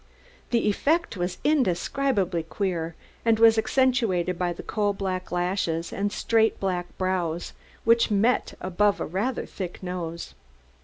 The effect was indescribably queer, and was accentuated by the coal black lashes and straight black brows which met above a rather thick nose.